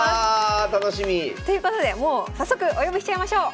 楽しみ。ということでもう早速お呼びしちゃいましょう！